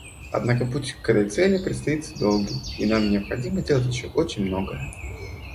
Однако путь к этой цели предстоит долгий, и нам необходимо сделать еще очень многое.